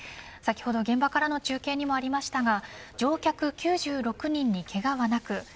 先ほど現場からの中継にもありましたが乗客９６人に、けがはなく